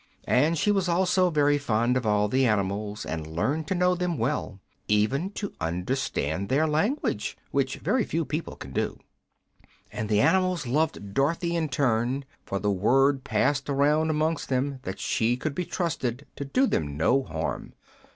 And she was also very fond of all the animals, and learned to know them well, and even to understand their language, which very few people can do. And the animals loved Dorothy in turn, for the word passed around amongst them that she could be trusted to do them no harm.